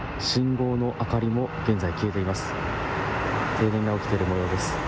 信号の明かりも現在消えています。